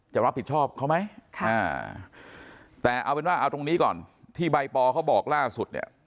จะเอาเป็นว่าเอาตรงนี้ก่อนที่ใบปอเขาบอกล่าสุดเนี่ย